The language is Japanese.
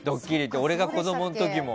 俺が子供の時も。